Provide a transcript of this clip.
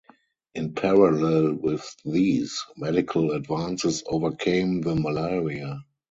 In parallel with these, medical advances overcame the malaria.